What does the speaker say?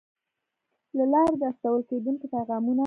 له لارې د استول کېدونکو پیغامونو